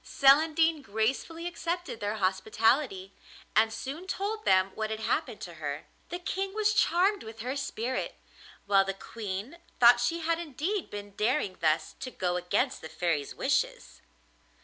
Celandine gracefully accepted their hospitality, and soon told them what had happened to her. The King was charmed with her spirit, while the Queen thought she had indeed been daring thus to go against the Fairy's wishes.